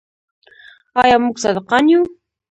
آیا موږ صادقان یو؟